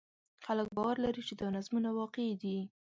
خلک باور لري چې دا نظمونه واقعي دي.